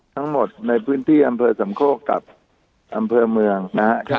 ทั้งหมดในพื้นที่อำเภอสำโคกกับอำเภอเมืองนะครับ